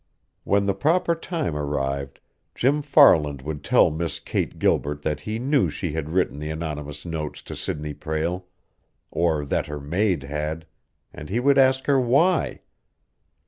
When the proper time arrived, Jim Farland would tell Miss Kate Gilbert that he knew she had written the anonymous notes to Sidney Prale or that her maid had and he would ask her why.